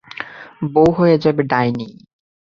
বৌ হয়ে যাবে ডাইনি!